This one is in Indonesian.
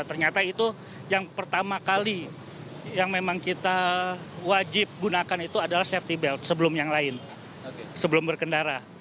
ternyata itu yang pertama kali yang memang kita wajib gunakan itu adalah safety belt sebelum yang lain sebelum berkendara